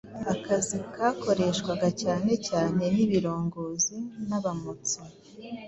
akazi kakoreshwaga cyane cyane n'ibirongozi n' abamotsi.